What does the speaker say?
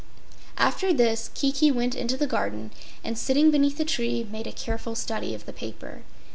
After this Kiki went into the garden and sitting beneath a tree made a careful study of the paper.